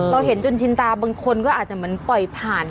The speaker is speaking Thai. เราเห็นจนชินตาบางคนก็อาจจะเหมือนปล่อยผ่าน